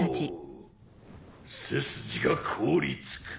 背筋が凍り付く。